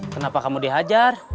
kenapa kamu dihajar